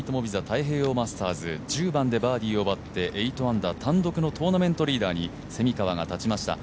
太平洋マスターズゴルフ１０番でバーディーを奪って８アンダーを奪って単独のトーナメントリーダーに蝉川が立ちました。